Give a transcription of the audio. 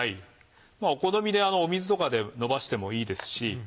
お好みで水とかでのばしてもいいですし。